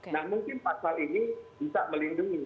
nah mungkin pasal ini bisa melindungi